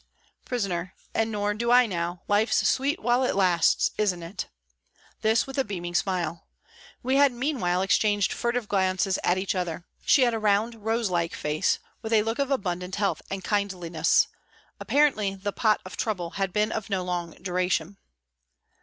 Prisoner :" And nor do I now, life's sweet while it lasts, isn't it ?" This with a beaming smile. We had mean while exchanged furtive glances at each other. She had a round, rose like face, with a look of abundant health and kindliness. Apparently, the " pot of trouble " had been of no long duration.